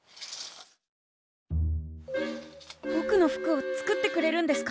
ぼくの服を作ってくれるんですか？